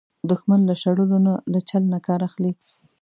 دښمن له شړلو نه، له چل نه کار اخلي